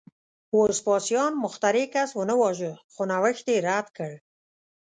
وسپاسیان مخترع کس ونه واژه، خو نوښت یې رد کړ